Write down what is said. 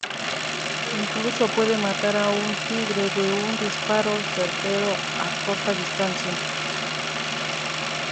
Incluso puede matar a un tigre de un disparo certero a corta distancia.